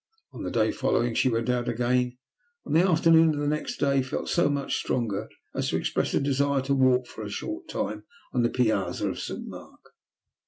On the day following she went out again, and on the afternoon of the next day felt so much stronger as to express a desire to walk for a short time on the piazza of St. Mark.